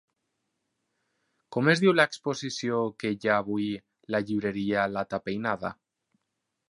Com es diu l'exposició que hi ha avui la llibreria Lata Peinada?